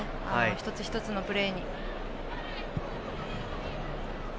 一つ一つのプレーに。